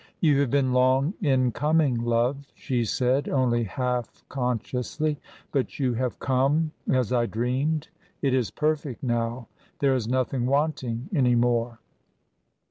"You have been long in coming, love," she said, only half consciously, "but you have come as I dreamed it is perfect now. There is nothing wanting any more."